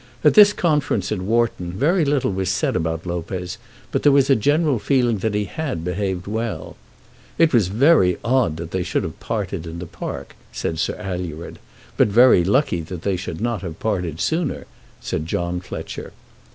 At this conference at Wharton very little was said about Lopez, but there was a general feeling that he had behaved well. "It was very odd that they should have parted in the park," said Sir Alured. "But very lucky that they should not have parted sooner," said John Fletcher.